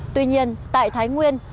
tuy nhiên tại thái nguyên